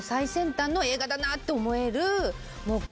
だなって思える。